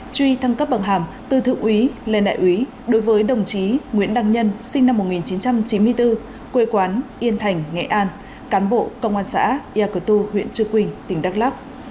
truy thăng cấp bậc hàm từ thượng úy lên đại úy đối với đồng chí nguyễn đăng nhân sinh năm một nghìn chín trăm chín mươi bốn quê quán yên thành nghệ an cán bộ công an xã eak tu huyện cư quyên tỉnh đắk lắk